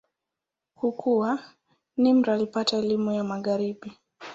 Kukua, Nimr alipata elimu ya Magharibi.